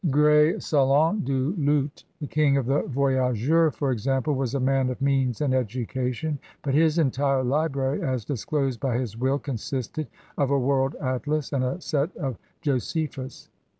Greysolon Du Lhut, the king of the voyageiu^, for example, was a man of means and education, but his entire library, as disclosed by his will, consisted of a world atlas and a set of Josephus.